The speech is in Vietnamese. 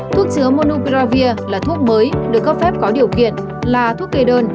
thuốc chứa monogravir là thuốc mới được cấp phép có điều kiện là thuốc kê đơn